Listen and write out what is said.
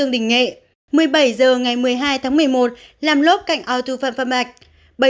một mươi bảy h ngày một mươi hai tháng một mươi một làm lốp cạnh ô tô phạm phạm bạch